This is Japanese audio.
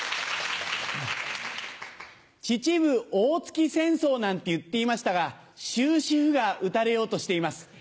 秩父・大月戦争なんて言っていましたが終止符が打たれようとしています。